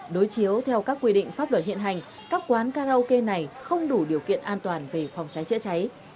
đối chiếu theo các quy định pháp luật hiện hành các quán karaoke này không đủ điều kiện an toàn về phòng cháy chữa cháy